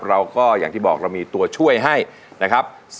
เราก็อย่างที่บอกเรามีตัวช่วยให้นะครับ